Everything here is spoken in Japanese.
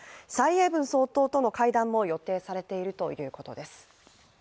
蔡英文総統との会談も予定されているということです。